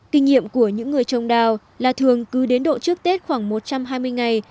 kinh nghiệm của những người trồng đào là thường cứ đến độ trước tết khoảng một trăm hai mươi ngày